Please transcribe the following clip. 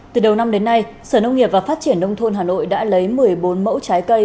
từ đầu năm đến nay sở nông nghiệp và phát triển nông thôn hà nội đã lấy một mươi bốn mẫu trái cây